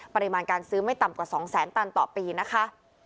ปริมาณการซื้อไม่ต่ำกว่า๒แสนตันต่อปีนะคะ